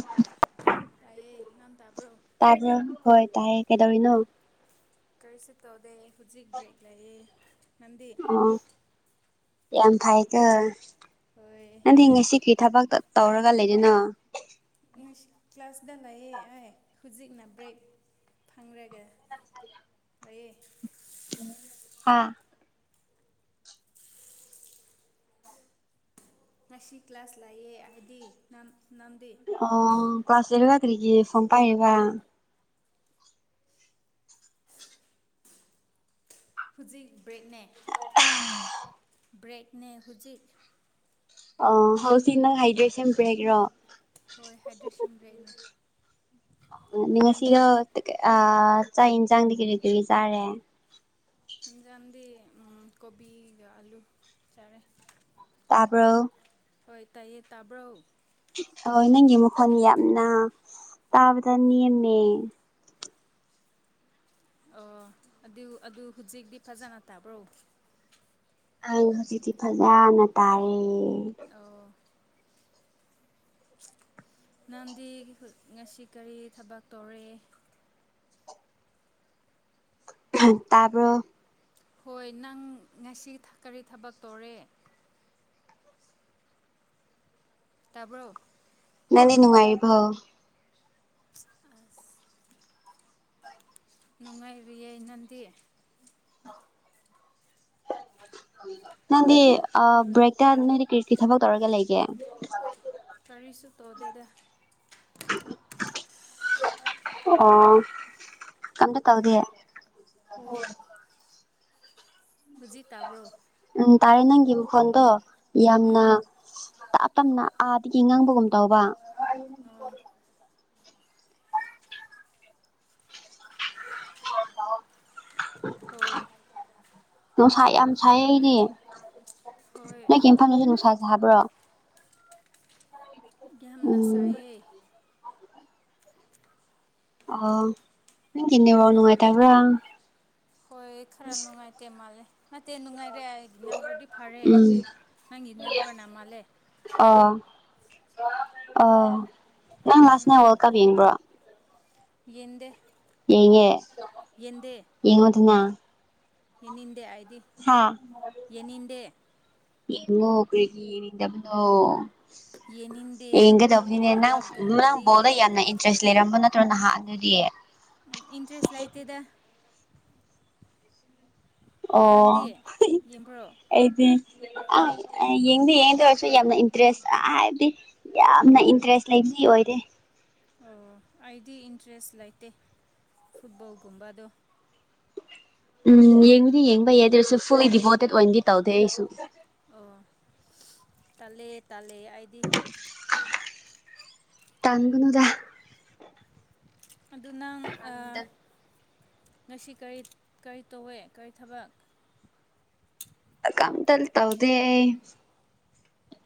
[unintelligible] ꯇꯥꯏꯌꯦ ꯅꯝ ꯇꯥꯕ꯭ꯔꯣ ꯇꯥ ꯍꯣꯏ ꯇꯥꯏꯌꯦ ꯀꯩꯗꯧꯔꯤꯅꯣ ꯀꯔꯤꯁꯤꯞ ꯇꯧꯗꯦ ꯍꯧꯖꯤꯛ ꯕ꯭ꯔꯦꯛ ꯂꯩꯌꯦ ꯅꯪꯗꯤ ꯑꯣ ꯌꯥꯝ ꯐꯥꯏꯗ ꯍꯣꯏ ꯅꯪ ꯉꯁꯤꯒꯤ ꯊꯕꯛꯇ ꯇꯧꯔꯒ ꯂꯩꯗꯅ ꯏꯪꯂꯤꯁ ꯀ꯭ꯂꯥꯁꯇ ꯂꯩꯑꯦ ꯑꯩ ꯍꯧꯖꯤꯛꯅ ꯕ꯭ꯔꯦꯛ ꯐꯪꯔꯒ ꯃꯌꯦ ꯍꯥꯥ ꯉꯁꯤ ꯀ꯭ꯂꯥꯁ ꯂꯥꯛꯑꯦ ꯍꯥꯏꯗꯤ ꯅꯝꯗꯦ ꯑꯣ ꯀ꯭ꯂꯥꯁ ꯂꯩꯔꯤꯕ ꯀ ꯅꯒ ꯐꯣꯟ ꯄꯥꯏꯔꯤꯕ ꯍꯧꯖꯤꯛ ꯕ꯭ꯔꯦꯛꯅꯦ ꯕ꯭ꯔꯦꯛꯅꯦ ꯍꯧꯖꯤꯛ ꯑ ꯍꯧꯖꯤꯛ ꯅꯪ ꯍꯥꯏꯗ꯭ꯔꯦꯁꯟ ꯕ꯭ꯔꯦꯛꯒꯔꯣ ꯍꯣꯏ ꯍꯥꯏꯗ꯭ꯔꯦ ꯁꯨꯝ ꯕ꯭ꯔꯦꯛꯅꯦ ꯅꯪꯗꯤ ꯉꯁꯤꯗꯣ ꯆꯥꯛ ꯌꯦꯟꯁꯥꯡꯗꯤ ꯀꯔꯤ ꯀꯔꯤ ꯆꯥꯔꯦ ꯖꯗꯤ ꯀꯣꯕꯤ ꯑꯂꯨ ꯆꯥꯔꯦ ꯇꯄꯔ ꯍꯣꯏ ꯇꯥꯏꯌꯦ ꯇꯥꯕ꯭ꯔꯣ ꯍ ꯅꯪꯒꯤ ꯃꯈꯣꯟꯜ ꯌꯥꯝꯅ ꯇꯥꯕꯗ ꯅꯦꯝꯃꯦ ꯑꯣ ꯑꯗꯨ ꯑꯗꯨ ꯍꯧꯖꯤꯛꯇꯤ ꯐꯖꯅ ꯇꯥꯕ꯭ꯔꯣ ꯑ ꯍꯧꯖꯤꯛꯇꯤ ꯐꯖꯅ ꯇꯥꯔꯦ ꯑ ꯅꯝꯗꯤ ꯉꯁꯤ ꯀꯔꯤ ꯊꯕꯛ ꯇꯧꯔꯦ ꯇꯥꯔꯕ ꯍꯣꯏ ꯅꯪ ꯉꯁꯤ ꯀꯔꯤ ꯊꯕꯛ ꯇꯧꯔꯦ ꯇꯥꯕ꯭ꯔꯣ ꯅꯅꯤ ꯅꯨꯡꯉꯥꯏꯕꯥꯎ ꯑ ꯅꯨꯡꯉꯥꯏꯔꯤꯌꯦꯏ ꯅꯪꯗꯤ ꯅꯪꯗꯤ ꯕ꯭ꯔꯦꯛꯇ ꯅꯣꯏꯗꯤ ꯀꯔꯤ ꯀꯔꯤ ꯊꯕꯛ ꯇꯧꯔꯒ ꯂꯩꯒꯦ ꯀꯔꯤꯁꯨ ꯇꯧꯗꯦꯗ ꯑꯣ ꯀꯝꯇ ꯇꯧꯗꯤꯦ ꯍꯧꯖꯤ ꯇꯥꯕ꯭ꯔꯣ ꯎꯝ ꯇꯥꯔꯦ ꯅꯪꯒꯤ ꯃꯈꯣꯟꯗꯣ ꯌꯥꯝꯅ ꯎꯝ ꯇꯞ ꯇꯞꯅ ꯑꯥꯗꯒꯤ ꯉꯥꯡꯕꯒꯨꯝ ꯇꯧꯕ ꯑꯣ ꯍꯣꯏ ꯅꯨꯡꯁꯥ ꯌꯥꯝ ꯁꯥꯏ ꯑꯩꯗꯤ ꯍꯣꯏ ꯅꯪꯒꯤ ꯏꯝꯐꯝꯗꯨꯁꯨ ꯅꯨꯡꯁꯥ ꯁꯥꯕ꯭ꯔꯣ ꯌꯥꯝꯅ ꯎꯝ ꯁꯥꯏꯌꯦ ꯑꯣ ꯅꯪꯒꯤ ꯅꯦꯠꯋꯥꯛ ꯅꯪ ꯅꯨꯡꯉꯥꯏꯇꯕ꯭ꯔꯥ ꯅꯠꯇꯦ ꯃꯥꯜꯂꯦ ꯅꯠꯇꯦ ꯅꯨꯡꯉꯥꯏꯔꯦ ꯑꯩ ꯅꯝꯕꯔꯗꯤ ꯐꯔꯦ ꯎꯝ ꯅꯪꯒꯤ ꯅꯦꯠꯋꯔꯅ ꯃꯥꯜꯂꯦ ꯑꯣ ꯑꯣ ꯅꯪ ꯂꯥꯁꯅꯦ ꯋꯥꯜꯀꯞ ꯌꯦꯡꯕ꯭ꯔꯣ ꯌꯦꯗꯦ ꯌꯦꯉꯦ ꯌꯦꯉ ꯑꯗꯨꯅ ꯌꯥꯅꯤꯡꯗꯦ ꯍꯥꯏꯗꯤ ꯍꯥꯉ ꯌꯦꯡꯅꯤꯡꯗꯦ ꯌꯦꯡꯒꯗꯧꯕꯅꯤꯅꯦ ꯋꯥꯔꯜ ꯅꯪ ꯅꯪ ꯕꯣꯜꯗ ꯀꯞꯀꯨꯝꯕꯗꯤ ꯌꯥꯝꯅ ꯏꯟꯇꯔꯦꯁ ꯂꯩꯔꯝꯕ ꯅꯠꯇꯔꯣ ꯅꯠꯇ꯭ꯔꯣ ꯅꯍꯥꯛ ꯑꯗꯨꯗꯤꯌꯦ ꯏꯟꯇ꯭ꯔꯦꯁ ꯂꯩꯇꯦꯗ ꯑꯣ ꯅꯪꯗꯤ ꯌꯦꯡꯕ꯭ꯔꯣ ꯑꯩꯗꯤ ꯑ ꯌꯦꯡꯗꯤ ꯌꯦꯡꯗ ꯑꯣꯏꯔꯁꯨ ꯌꯥꯝꯅ ꯏꯟꯇꯔꯦꯁ ꯍꯥꯏꯕꯗꯤ ꯌꯥꯝꯅ ꯏꯟꯇꯔꯦꯁ ꯂꯩꯕꯤ ꯑꯣꯏꯔꯦ ꯑꯣ ꯑꯩꯗꯤ ꯏꯟꯇꯔꯦꯁ ꯂꯩꯇꯦ ꯐꯨꯠꯕꯣꯜꯒꯨꯝꯕꯗꯣ ꯎꯝ ꯌꯦꯡꯕꯨꯗꯤ ꯌꯦꯡꯕ ꯌꯥꯏꯗꯔꯁꯨ ꯐꯨꯜꯂꯤ ꯗꯤꯚꯣꯇꯦꯠ ꯑꯣꯏꯅꯗꯤ ꯇꯧꯗꯦ ꯑꯩꯁꯨ ꯑꯣ ꯇꯥꯜꯂꯦ ꯇꯥꯜꯂꯦ ꯑꯩꯗꯤ ꯇꯥꯡꯒꯅꯨꯗ ꯑꯗꯨ ꯅꯪ ꯉꯁꯤ ꯀꯔꯤ ꯀꯔꯤ ꯇꯧꯋꯦ ꯀꯔꯤ ꯊꯕꯛ ꯀꯝ ꯇꯜ ꯇꯗꯦ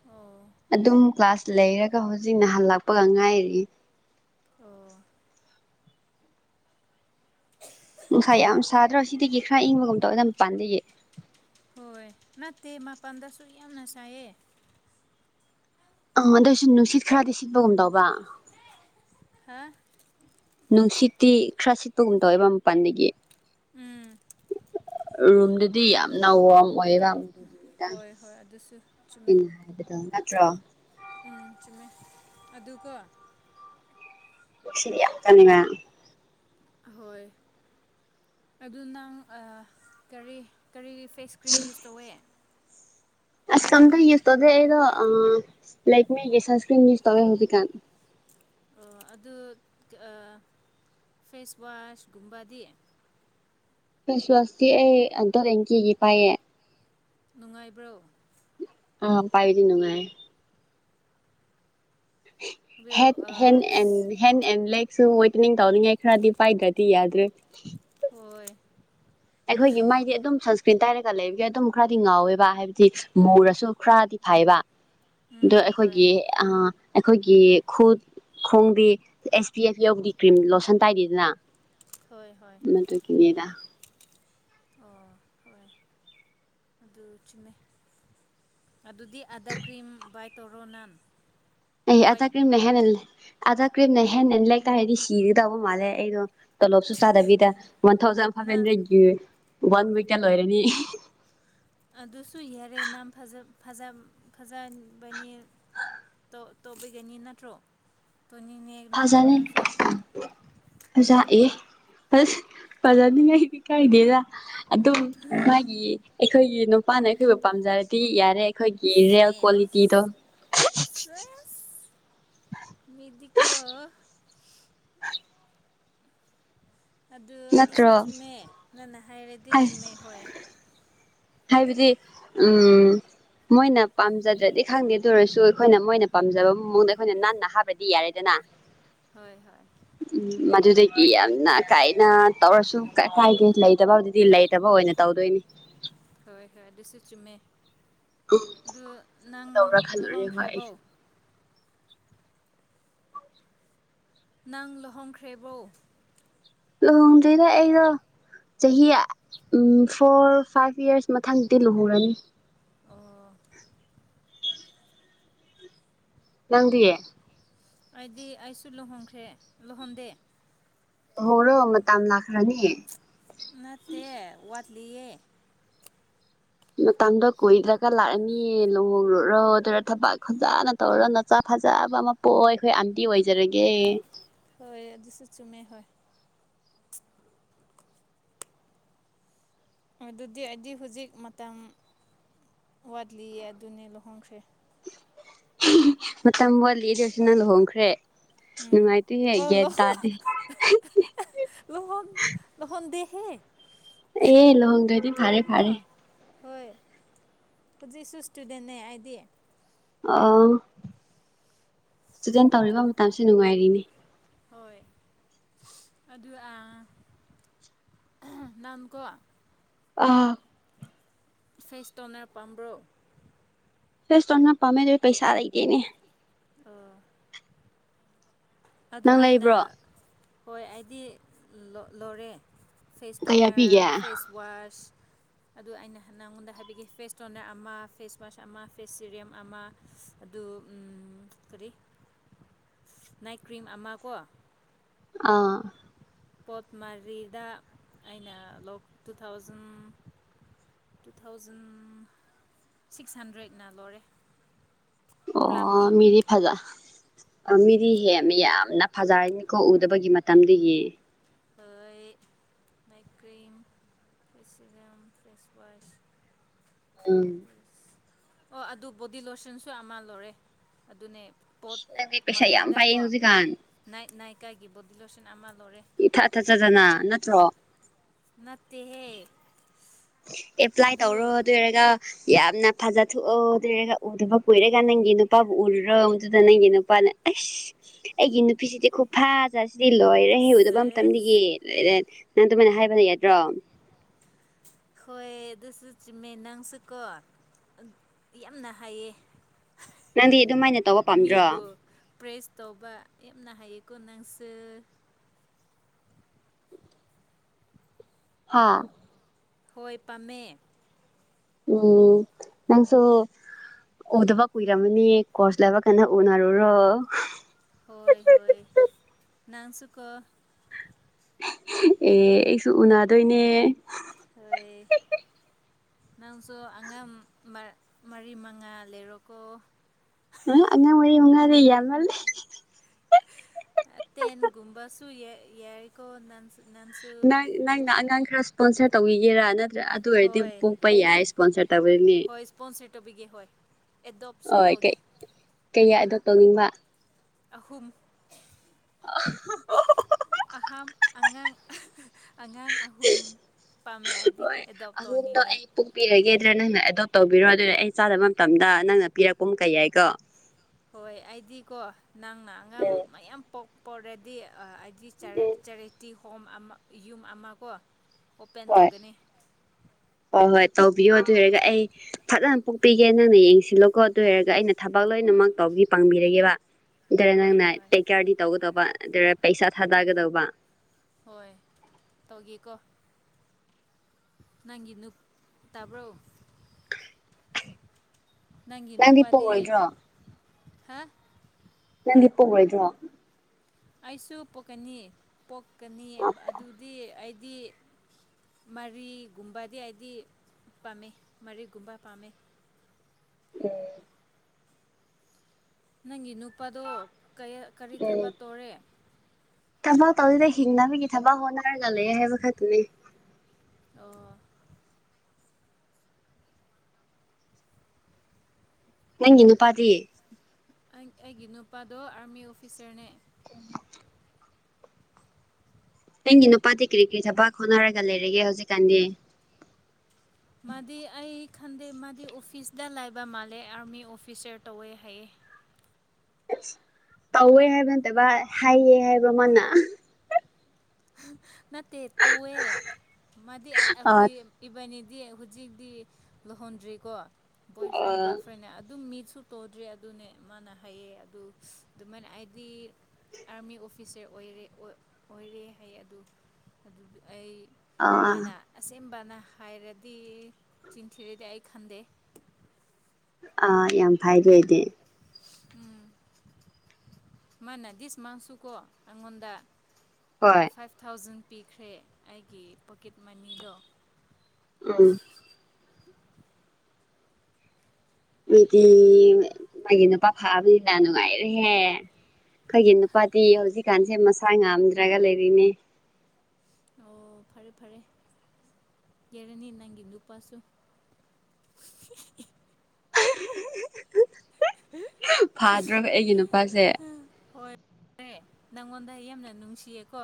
ꯑꯣ ꯑꯗꯨꯝ ꯀ꯭ꯂꯥꯁ ꯂꯩꯔꯒ ꯍꯧꯖꯤꯛꯅ ꯍꯜꯂꯛꯄꯒ ꯉꯥꯏꯔꯤ꯫ ꯑꯣ ꯅꯨꯡꯁꯥ ꯌꯥꯝ ꯁꯥꯗ꯭ꯔꯣ ꯁꯤꯗꯒꯤ ꯈꯔ ꯏꯪꯕꯒꯨꯝ ꯇꯧꯗ ꯃꯄꯥꯟꯗꯒꯤ ꯍꯣꯏ ꯅꯠꯇꯦ ꯃꯄꯥꯟꯗꯁꯨ ꯌꯥꯝꯅ ꯁꯥꯏꯌꯦ꯫ ꯑꯪ ꯑꯗꯨꯑꯣꯏꯁꯨ ꯅꯨꯡꯁꯤꯠ ꯈꯔꯗꯤ ꯁꯤꯠꯄꯒꯨꯝꯗꯧꯕ ꯍꯥ ꯅꯨꯡꯁꯤꯠꯇꯤ ꯈꯔ ꯁꯤꯠꯄꯒꯨꯝ ꯇꯧꯋꯦꯕ ꯃꯄꯥꯟꯗꯒꯤ ꯎꯝ ꯔꯨꯝꯗꯗꯤ ꯌꯥꯝꯅ ꯋꯥꯔꯝ ꯑꯣꯏꯌꯦꯕ ꯑꯗꯨꯒꯤ ꯗꯪ ꯍꯣꯏ ꯍꯣꯏ ꯑꯗꯨꯁꯨ ꯆꯨꯝꯃꯦ ꯑꯩꯅ ꯍꯥꯏꯕꯗꯣ ꯅꯠꯇ꯭ꯔꯣ ꯎꯝ ꯆꯨꯝꯃꯦ ꯑꯗꯨꯀꯣ ꯁꯤꯌꯥ ꯀꯅꯤꯕ ꯑꯍꯣꯏ ꯑꯗꯨ ꯅꯪ ꯀꯔꯤ ꯀꯔꯤ ꯐꯦꯁ ꯀ꯭ꯔꯤꯝ ꯌꯨꯁ ꯇꯧꯋꯦ꯫ ꯑꯁ ꯀꯝꯇ ꯌꯨꯁ ꯇꯧꯗꯦ ꯑꯩꯗꯣ ꯂꯥꯏꯛ ꯃꯤꯒꯤ ꯁꯟꯁꯀ꯭ꯔꯤꯟ ꯌꯨꯁ ꯇꯧꯋꯦ ꯍꯧꯖꯤꯛꯀꯥꯟ ꯑꯣ ꯑꯗꯨ ꯐꯦꯁꯋꯥꯁꯀꯨꯝꯕꯗꯤ ꯐꯦꯁꯋꯥꯁꯇꯤ ꯑꯩ ꯑꯟꯇꯗꯦꯡ ꯀꯦꯒꯤ ꯄꯥꯏꯌꯦ꯫ ꯅꯨꯡꯉꯥꯏꯕ꯭ꯔꯣ ꯑ ꯄꯥꯏꯗꯤ ꯅꯨꯡꯉꯥꯏ ꯑꯗꯨ ꯍ ꯑꯥ ꯍꯟꯗ ꯑꯟꯗ ꯍꯟꯗ ꯑꯦꯟ ꯂꯦꯛꯁꯨ ꯑꯣꯏꯇꯅꯤꯡ ꯇꯧꯅꯤꯡꯉꯥꯏ ꯈꯔꯗꯤ ꯄꯥꯏꯗ꯭ꯔꯗꯤ ꯌꯥꯗ꯭ꯔꯦ꯫ ꯍꯣꯏ ꯑꯩꯈꯣꯏꯒꯤ ꯃꯥꯏꯗꯤ ꯑꯗꯨꯝ ꯋꯤꯟꯇ꯭ꯔ ꯗꯒ ꯂꯩꯕꯒꯤ ꯑꯗꯨꯝ ꯈꯔꯗꯤ ꯉꯧꯋꯦꯕ ꯍꯥꯏꯕꯗꯤ ꯃꯨꯔꯁꯨ ꯈ꯭ꯔꯥꯗꯤ ꯐꯩꯕ ꯑꯣ ꯎꯝ ꯍꯣꯏ ꯑꯩꯈꯣꯏꯒꯤ ꯑ ꯑꯩꯈꯣꯏꯒꯤ ꯈꯨꯠ ꯈꯣꯡꯗꯤ ꯑꯦꯁ ꯄꯤ ꯑꯦꯐ ꯌꯧꯕꯗꯤ ꯀ꯭ꯔꯤꯝ ꯂꯣꯠꯁꯟ ꯇꯥꯏꯗꯦꯗꯅ ꯍꯣꯏ ꯍꯣꯏ [unintelligible] ꯑꯣ ꯍꯣꯏ ꯑꯗꯨ ꯆꯨꯝꯃꯦ꯫ ꯑꯗꯨꯗꯤ ꯑꯗꯥ ꯀ꯭ꯔꯤꯝ ꯕꯥꯏ ꯇꯧꯔꯣ ꯅꯍꯥꯟ ꯑꯩ ꯑꯗꯥ ꯀ꯭ꯔꯤꯝꯅ ꯍꯦꯟꯅꯟꯅ ꯑꯗꯥ ꯀ꯭ꯔꯤꯝꯅ ꯍꯦꯟꯅꯟꯅ ꯂꯩꯇꯥꯔꯗꯤ ꯁꯤꯒ ꯇꯧꯕ ꯃꯥꯜꯂꯦ ꯑꯩꯗꯣ ꯇꯣꯂꯣꯞꯁꯨ ꯆꯥꯗꯕꯤꯗ ꯋꯥꯟ ꯊꯥꯎꯖꯟ ꯐꯥꯏꯚ ꯅꯪ ꯍꯟꯗ꯭ꯔꯦꯗꯀꯤ ꯋꯥꯟ ꯋꯤꯛꯇ ꯂꯣꯏꯔꯅꯤ꯫ ꯑꯗꯨꯁꯨ ꯌꯥꯔꯦ ꯅꯪ ꯐꯖꯟꯕꯅꯤ꯫ ꯇꯣꯤꯒꯅꯤ ꯅꯠꯇ꯭ꯔꯣ ꯇꯣꯅꯤꯅꯦ꯫ ꯅꯠꯇ꯭ꯔꯣ ꯐꯖꯅꯦ꯫ ꯅꯪꯁꯨ ꯖꯥꯛ ꯑꯦ ꯐ ꯐꯖꯅꯤꯡꯉꯩꯗꯤ ꯀꯥꯏꯗꯦꯗ ꯑꯗꯨ ꯃꯥꯒꯤ ꯑꯩꯈꯣꯏꯒꯤ ꯅꯨꯄꯥꯅ ꯑꯩꯈꯣꯏꯕꯨ ꯄꯥꯝꯖꯔꯗꯤ ꯌꯥꯔꯦ꯫ ꯑꯩꯈꯣꯏꯒꯤ ꯔꯤꯌꯦꯜ ꯀ꯭ꯋꯥꯂꯤꯇꯤꯗꯣ ꯁꯦ ꯃꯤꯗꯤꯀꯣ ꯑꯗꯨ ꯑꯗꯨꯁꯨ ꯅꯠꯇ꯭ꯔꯣ ꯆꯨꯝꯃꯦ ꯅꯪꯅ ꯍꯥꯏꯔꯗꯤ ꯆꯨꯝꯃꯦ ꯍꯣꯏ ꯍꯥꯏꯕꯗꯤ ꯎꯝ ꯃꯣꯏꯅ ꯄꯥꯝꯖꯗ꯭ꯔꯗꯤ ꯈꯪꯗꯦ ꯑꯗꯨ ꯑꯣꯏꯔꯁꯨ ꯑꯩꯈꯣꯏꯅ ꯃꯣꯏꯅ ꯄꯥꯝꯖꯕ ꯃꯑꯣꯡꯗ ꯑꯩꯈꯣꯏꯅ ꯅꯥꯟꯅ ꯍꯥꯞꯄꯗꯤ ꯌꯥꯔꯦꯗꯅ ꯍꯣꯏ ꯍꯣꯏ ꯎꯝ ꯃꯗꯨꯗꯒꯤ ꯌꯥꯝꯅ ꯀꯥꯏꯅ ꯇꯧꯔꯁꯨ ꯀꯥꯏꯗꯦ ꯂꯩꯇꯕꯗꯨꯗꯤ ꯂꯩꯇꯕ ꯑꯣꯏꯅ ꯇꯧꯗꯣꯏꯅꯤ ꯍꯣꯏ ꯍꯣꯏ ꯑꯗꯨꯁꯨ ꯆꯨꯝꯃꯦ ꯑꯗꯨ ꯅꯪ ꯇꯧꯕ꯭ꯔꯥ ꯈꯜꯂꯨꯔꯦ ꯍꯣꯏ ꯂꯨꯍꯣꯡꯈ꯭ꯔꯦꯕꯣ ꯑꯩꯁꯨ ꯅꯪ ꯂꯨꯍꯣꯡꯈ꯭ꯔꯦꯕꯣ ꯂꯣꯍꯣꯡꯗꯣꯏꯔꯣ ꯑꯩꯔꯣ ꯆꯍꯤ ꯐꯣꯔ ꯐꯥꯏꯚ ꯌꯔꯁ ꯃꯊꯪꯗꯤ ꯂꯨꯍꯨꯔꯅꯤ꯫ ꯑꯣ ꯅꯪꯗꯤ꯫ ꯑꯩꯗꯤ ꯑꯩꯁꯨ ꯂꯨꯍꯣꯡꯈ꯭ꯔꯦ ꯂꯨꯍꯣꯡꯗꯦ꯫ ꯍꯣꯏꯔꯣ ꯃꯇꯝ ꯂꯥꯛꯈ꯭ꯔꯅꯤ ꯅꯠꯇꯦ ꯋꯥꯠꯂꯤꯌꯦ ꯃꯇꯝꯗꯣ ꯀꯣꯏꯔꯒ ꯂꯥꯛꯑꯅꯤꯌꯦ ꯂꯨꯍꯣꯡꯡꯂꯨꯔꯣ ꯑꯗꯨꯔ ꯊꯕꯛ ꯐꯖꯅ ꯇꯧꯔꯒ ꯅꯆꯥ ꯐꯖꯕ ꯑꯃ ꯄꯣꯛꯑꯣ ꯑꯩꯈꯣꯏ ꯑꯟꯇꯤ ꯑꯣꯏꯖꯔꯒꯦ ꯍꯣꯏ ꯑꯗꯨꯁꯨ ꯆꯨꯝꯃꯦ ꯍꯣꯏ ꯑꯗꯨꯗꯤ ꯑꯩꯗꯤ ꯍꯧꯖꯤꯛ ꯃꯇꯝ ꯋꯥꯠꯂꯤꯌꯦ ꯑꯗꯨꯅꯦ ꯂꯨꯍꯣꯡꯈ꯭ꯔꯦ ꯃꯇꯝ ꯋꯥꯠꯂꯤꯗ ꯅꯪ ꯂꯨꯍꯣꯡꯈ꯭ꯔꯦ ꯅꯨꯡꯉꯥꯏꯇꯦꯍꯦ ꯑꯣ ꯒ꯭ꯌꯥꯟ ꯂꯨꯍꯣꯡ ꯇꯥꯗꯤ [unintelligible] ꯂꯨꯍꯣꯡ ꯂꯍꯣꯡꯗꯤꯍꯦ ꯑꯦ ꯂꯍꯣꯡꯗ꯭ꯔꯗꯤ ꯐꯥꯔꯦ ꯐꯥꯔꯦ ꯍꯣꯏ ꯍꯧꯖꯤꯛꯁꯨ ꯏꯁꯇꯨꯗꯦꯟꯅꯦ ꯑꯩꯗꯤ ꯑꯣ ꯁꯇꯨꯗꯦꯟ ꯇꯧꯔꯤꯕ ꯃꯇꯝꯁꯦ ꯅꯨꯡꯉꯥꯏꯔꯤꯅꯦ ꯍꯣꯏ ꯑꯗꯨ ꯅꯪꯀꯣ ꯑꯥ ꯐꯦꯁꯇꯣꯅꯔ ꯄꯥꯝꯕ꯭ꯔꯣ ꯐꯦꯁꯇꯣꯟꯅꯔ ꯄꯝꯃꯦꯅꯦ ꯄꯩꯁꯥ ꯂꯩꯇꯦꯅꯦ ꯑꯥ ꯑꯗꯨ ꯅꯪ ꯑꯩꯅ ꯂꯩꯕ꯭ꯔꯣ ꯍꯣꯏ ꯑꯩꯗꯤ ꯂꯣꯔꯦ ꯐꯦꯁ ꯀꯌꯥ ꯇꯣꯅꯔ ꯄꯤꯒꯦ ꯑꯥ ꯐꯦꯁꯋꯥꯁ ꯑꯗꯨꯗ ꯑꯩꯅ ꯅꯉꯣꯟꯗ ꯍꯥꯏꯕꯤꯈꯤ ꯐꯦꯁ ꯇꯣꯅꯔ ꯑꯃ ꯐꯦꯁ ꯋꯥꯁ ꯑꯃ ꯐꯦꯁ ꯁꯤꯔꯤꯝ ꯑꯃ ꯑꯗꯨ ꯀꯔꯤ ꯅꯥꯏꯠ ꯀ꯭ꯔꯤꯝ ꯑꯃ ꯀꯣ ꯑꯥ ꯄꯣꯠ ꯃꯔꯤꯗ ꯑꯩꯅ ꯂꯣꯛ two thousand two thousand six ꯍꯟꯗ꯭ꯔꯦꯠꯅ ꯂꯣꯏꯔꯦ ꯑꯣ ꯃꯤꯗꯤ ꯐꯖ ꯃꯤꯗꯤ ꯍꯦ ꯌꯥꯝꯅ ꯐꯖꯔꯅꯤꯀꯣ ꯎꯗꯕꯒꯤ ꯃꯇꯝꯗꯒꯤ ꯑꯩꯩ night cream face serum face wash ꯎꯝ ꯑꯣ ꯑꯗꯨ ꯕꯣꯗꯤ ꯂꯣꯁꯟꯁꯨ ꯑꯃ ꯂꯔꯦ ꯑꯗꯨꯅꯦ ꯄꯣꯠ ꯅꯪꯗꯤ ꯄꯩꯁꯥ ꯌꯥꯝ ꯄꯥꯏꯌꯦ ꯃꯉꯥꯗꯀꯣ ꯍꯧꯖꯤꯛꯀꯥꯟ ꯅꯥꯏꯠ ꯅꯥꯏꯀꯥꯏꯒꯤ ꯕꯣꯗꯤ ꯂꯣꯁꯟ ꯑꯃ ꯂꯧꯔꯦ ꯏꯊꯠ ꯊꯠꯖꯗꯅ ꯅꯠꯇ꯭ꯔꯣ ꯅꯠꯇꯦꯍꯦ ꯑꯦꯄ꯭ꯂꯥꯏ ꯇꯧꯔꯣ ꯑꯗꯨ ꯑꯣꯏꯔꯒ ꯌꯥꯝꯅ ꯐꯖꯊꯣꯛꯑꯣꯗꯔꯒ ꯎꯗꯕ ꯀꯨꯏꯔꯒ ꯅꯪꯒꯤ ꯅꯨꯄꯥꯕꯨ ꯎꯔꯨꯔꯣꯗꯨꯗ ꯅꯪꯒꯤ ꯅꯨꯄꯥꯅ ꯑꯁ ꯑꯩꯒꯤ ꯅꯨꯄꯤꯁꯤꯗꯤ ꯈꯨ ꯐꯥꯖꯥ ꯁꯤꯗꯤ ꯂꯣꯏꯔꯦ ꯎꯗꯕ ꯃꯇꯝꯒꯤ ꯁꯦꯁ ꯂꯣꯏꯔꯦ ꯅꯪ ꯑꯗꯨꯃꯥꯏꯅ ꯍꯥꯏꯕ ꯂꯩꯒꯗ꯭ꯔꯣ ꯍꯣꯏ ꯑꯗꯨꯁꯨ ꯆꯨꯝꯃꯦ ꯅꯪꯁꯨꯀꯣ ꯌꯥꯝꯅ ꯍꯥꯏꯌꯦ ꯅꯪꯗꯤ ꯑꯗꯨꯃꯥꯏꯅ ꯇꯧꯕ ꯄꯥꯝꯗ꯭ꯔꯣ ꯄ꯭ꯔꯦꯁ ꯇꯧꯕ ꯌꯥꯝꯅ ꯍꯥꯏꯌꯦꯀꯣ ꯅꯪꯁꯨ ꯍꯥꯥ ꯍꯣꯏ ꯄꯥꯝꯃꯦ ꯎꯝ ꯅꯪꯁꯨ ꯎꯗꯕ ꯀꯨꯏꯔꯝꯃꯅꯤ ꯀꯣꯁ ꯂꯣꯢꯕ ꯀꯥꯟꯗ ꯎꯅꯔꯨꯔꯣ ꯍꯣꯏ ꯍꯣꯏ ꯅꯪꯁꯨꯀꯣ ꯑꯦ ꯑꯩꯁꯨ ꯎꯅꯗꯣꯏꯅꯦ ꯍꯣꯢ ꯅꯪꯁꯨ ꯑꯉꯥꯡ ꯃꯔꯤ ꯃꯉꯥ ꯂꯩꯔꯣꯀꯣ ꯑꯉꯥꯡ ꯃꯔꯤ ꯃꯉꯥꯗꯤ ꯌꯥꯝꯃꯜꯂꯦ ꯑꯇꯦꯟꯒꯨꯝꯕꯁꯨ ꯌꯥꯏꯀꯣ ꯅꯟꯁꯨ ꯅꯟꯁꯨ ꯅꯪ ꯅꯪꯅ ꯑꯉꯥꯡ ꯈꯔ ꯏꯁꯄꯣꯟꯁꯔ ꯇꯧꯕꯤꯒꯦꯔꯥ ꯅꯠꯇ꯭ꯔ ꯑꯗꯨ ꯑꯣꯏꯔꯗꯤ ꯍꯣꯏ ꯄꯣꯛꯄ ꯌꯥꯏ ꯏꯁꯄꯣꯟꯁꯔ ꯇꯧꯕꯗꯨꯅꯦ ꯄꯣꯟꯁꯦ ꯇꯣꯕꯤꯒꯦ ꯍꯣꯏ ꯑꯦꯗꯣꯞꯁꯨ ꯍ ꯇꯧꯒꯦ ꯀꯌꯥ ꯑꯣ ꯇꯧꯅꯤꯡꯕ ꯑꯍꯨꯝ [unintelligible] ꯑꯍꯝ ꯑꯉꯥꯡ ꯑꯉꯥꯡ ꯑꯍꯨꯝ ꯄꯥꯝꯃꯦ ꯍꯥꯏꯗꯤ ꯍꯣꯏ ꯑꯦꯗꯣꯞ ꯑꯍꯨꯝꯗꯣ ꯇꯧꯅꯤꯡꯌꯦ ꯑꯩ ꯄꯣꯛꯄꯤꯔꯒꯦꯗ꯭ꯔꯥ ꯅꯪꯅ ꯑꯦꯗꯣꯞ ꯇꯧꯕꯤꯔꯣ ꯑꯗꯨꯅ ꯑꯩ ꯆꯥꯗꯕ ꯃꯇꯝꯗ ꯅꯪꯅ ꯄꯤꯔꯛꯄꯨꯝ ꯀꯩ ꯌꯥꯏꯀꯣ ꯍꯣꯏ ꯑꯩꯗꯤꯀꯣ ꯅꯪꯅ ꯑꯉꯥꯡ ꯎꯝ ꯃꯌꯥꯝ ꯄꯣꯛꯄꯔꯗꯤ ꯑꯩꯗꯤ ꯎꯝ ꯆꯦꯔꯤꯇꯤ ꯍꯣꯝ ꯑꯃ ꯌꯨꯝ ꯑꯃ ꯀꯣ ꯑꯣꯄꯦꯟ ꯍꯣꯏ ꯇꯧꯒꯅꯤ ꯍꯣꯏ ꯍꯣꯏ ꯇꯧꯕꯤꯌꯣ ꯑꯗꯨ ꯑꯣꯏꯔꯒ ꯑꯩ ꯐꯖꯅ ꯄꯣꯛꯄꯤꯒꯦ ꯅꯪꯅ ꯌꯦꯡꯁꯤꯜꯂꯣꯀꯣ ꯑꯗꯨ ꯑꯣꯏꯔꯒ ꯑꯩꯅ ꯊꯕꯛ ꯍꯣꯏ ꯂꯣꯏꯅꯃꯛ ꯇꯧꯒꯤ ꯄꯥꯡꯕꯤꯔꯒꯦꯕ ꯑꯗꯨꯔ ꯍꯣꯏ ꯅꯪꯅ ꯍꯣꯏ ꯇꯦꯛ ꯀꯦꯌꯥꯔꯗꯤ ꯇꯧꯒꯗꯧꯕ ꯑꯗꯨꯒ ꯄꯩꯁꯥ ꯊꯥꯗꯒꯗꯧꯕ ꯍꯣꯏ ꯇꯧꯒꯦꯀꯣ ꯅꯪꯒꯤ ꯅꯨ ꯇꯥꯕ꯭ꯔꯣ ꯅꯪꯒꯤ ꯅꯪꯗꯤ ꯅꯨꯄꯥꯗꯤ ꯄꯣꯛꯔꯣꯏꯗ꯭ꯔꯣ ꯍꯥ ꯅꯪꯗꯤ ꯄꯣꯛꯔꯣꯏꯗꯔꯥ ꯑꯩꯁꯨ ꯄꯣꯛꯀꯅꯤ ꯄꯣꯛꯀꯅꯤ ꯑꯗꯨꯗꯤ ꯑꯩꯗꯤ ꯃꯔꯤꯒꯨꯝꯕꯗꯤ ꯍꯥꯏꯗꯤ ꯄꯥꯝꯃꯦ ꯃꯔꯤꯒꯨꯝꯕ ꯄꯥꯝꯃꯦ ꯎꯝ ꯅꯪꯒꯤ ꯅꯨꯄꯥꯗꯣ ꯀꯔꯤ ꯊꯕꯛ ꯇꯧꯔꯦ ꯊꯥꯕꯛ ꯇꯧꯗ ꯍꯤꯡꯅꯕꯒꯤ ꯊꯥꯕꯛ ꯍꯣꯠꯅꯔꯒ ꯂꯩꯌꯦ ꯍꯥꯏꯕ ꯈꯛꯇꯅꯦ ꯑꯣ ꯅꯪꯒꯤ ꯅꯨꯄꯥꯗꯤ ꯀꯩ ꯑꯩꯒꯤ ꯅꯨꯄꯥꯗꯣ ꯑꯥꯔꯃꯤ ꯑꯣꯐꯤꯁꯥꯔꯅꯦ ꯎꯝ ꯅꯪꯒꯤ ꯅꯨꯄꯥꯗꯤ ꯀꯔꯤ ꯀꯔꯤ ꯊꯕꯛ ꯍꯣꯠꯅꯔꯒ ꯂꯩꯔꯒꯦ ꯍꯧꯖꯤꯛꯀꯥꯟꯗꯤ ꯃꯥꯗꯤ ꯑꯩ ꯈꯟꯗꯦ ꯃꯥꯗꯤ ꯑꯣꯐꯤꯁꯇ ꯂꯥꯏꯕ ꯃꯥꯜꯂꯦ ꯑꯥꯔꯃꯤ ꯑꯣꯐꯤꯁꯔ ꯇꯧꯋꯦ ꯍꯥꯏꯌꯦ ꯇꯧꯋꯦ ꯍꯥꯏꯕ ꯅꯠꯇꯕ ꯍꯥꯏꯌꯦ ꯍꯥꯏꯕ꯭ꯔꯣ ꯃꯥꯅ ꯅꯠꯇꯦ ꯇꯧꯑꯦ ꯃꯥꯗꯤ ꯑ ꯑꯩꯈꯣꯏ ꯏꯕꯥꯅꯤꯗꯤ ꯍꯧꯖꯤꯛꯇꯤ ꯂꯨꯍꯣꯟꯗ꯭ꯔꯤꯀꯣ ꯕꯣꯏ ꯐ꯭ꯔꯦꯟ ꯒꯥꯔꯜ ꯑ ꯐ꯭ꯔꯦꯟꯅ ꯑꯗꯨꯝ ꯃꯤꯁꯨ ꯇꯧꯗ꯭ꯔꯤ ꯑꯗꯨꯅꯦ ꯃꯥꯅ ꯍꯥꯏꯌꯦ ꯑꯗꯨ ꯑꯗꯨꯃꯥꯏꯅ ꯍꯥꯏꯗꯤ ꯑꯥꯔꯃꯤ ꯑꯣꯐꯤꯁꯔ ꯑꯣꯏꯔꯦ ꯑꯣꯏꯔꯦ ꯐꯩ ꯑꯗꯨ ꯑꯗꯨꯒꯤ ꯑꯩ ꯃꯥꯅ ꯑꯁꯦꯡꯕꯅ ꯍꯥꯏꯔꯗꯤ ꯆꯤꯟꯊꯤꯔꯗꯤ ꯑꯩ ꯈꯟꯗꯦ ꯑꯥ ꯌꯥꯝ ꯐꯥꯏ ꯂꯣꯏꯗꯤ ꯎꯝ ꯃꯥꯅ ꯗꯤꯁ ꯃꯥꯥꯡꯁꯨꯀꯣ ꯑꯩꯉꯣꯟꯗ ꯍꯣꯏ ꯐꯥꯏꯚ ꯊꯥꯎꯖꯟ ꯄꯤꯈ꯭ꯔꯦ ꯑꯩꯒꯤ ꯄꯣꯀꯦꯠ ꯃꯅꯤꯗꯣ ꯑꯝ ꯃꯤꯗꯤ ꯃꯥꯒꯤ ꯅꯨꯄꯥ ꯐꯥꯕꯅꯤꯅ ꯅꯨꯡꯉꯥꯏꯔꯦꯍꯦ ꯑꯩꯈꯣꯏꯒꯤ ꯅꯨꯄꯥꯗꯤ ꯍꯧꯖꯤꯛꯀꯥꯟꯁꯦ ꯃꯁꯥ ꯉꯝꯗ꯭ꯔꯒ ꯂꯩꯔꯤꯅꯦ ꯑꯣ ꯐꯔꯦ ꯐꯔꯦ ꯀꯦꯔꯅꯤ ꯅꯪꯒꯤꯅꯨꯄꯥꯁꯨ [unintelligible] ꯐꯥꯗ꯭ꯔꯣ ꯑꯩꯒꯤ ꯅꯨꯄꯥꯁꯦ ꯔꯦ ꯅꯪꯉꯣꯟꯗ ꯌꯥꯝꯅ ꯅꯨꯡꯁꯤꯌꯦꯀꯣ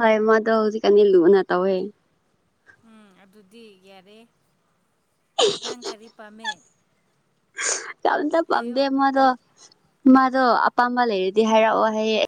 ꯍꯣꯏ ꯃꯥꯗꯣ ꯍꯧꯖꯤꯛꯀꯥꯟꯗꯤ ꯂꯨꯅ ꯇꯧꯋꯦ ꯎꯝ ꯑꯗꯨꯗꯤ ꯌꯥꯔꯦ ꯅꯪ ꯀꯔꯤ ꯄꯥꯝꯃꯦ ꯌꯥꯝꯇ ꯄꯥꯝꯗꯦ ꯍꯥꯏꯌꯣ ꯃꯥꯗꯣ ꯃꯥꯗꯣ ꯑꯄꯥꯝꯕ ꯂꯩꯔꯗꯤ ꯍꯥꯏꯔꯛꯑꯣ ꯍꯥꯏꯌꯦ